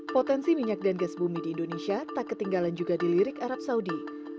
potensi minyak dan gas bumi di indonesia tak ketinggalan juga di lirik arab saudi